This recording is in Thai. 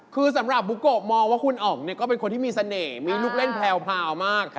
คือสำหรับบุโกะมองว่าคุณอ๋องก็เป็นคนที่มีเสน่ห์มีลูกเล่นแพรวมาก